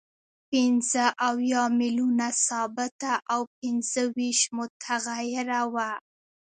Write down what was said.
پنځه اویا میلیونه ثابته او پنځه ویشت متغیره وه